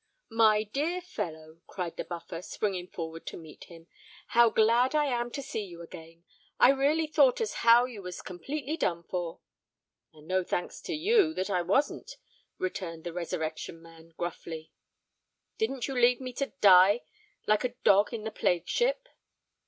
"My dear fellow," cried the Buffer, springing forward to meet him; "how glad I am to see you again. I really thought as how you was completely done for." "And no thanks to you that I wasn't," returned the Resurrection Man gruffly. "Didn't you leave me to die like a dog in the plague ship?"